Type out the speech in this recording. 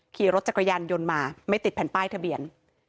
ขี่รถจักรยานยนต์มาไม่ติดแผ่นป้ายทะเบียน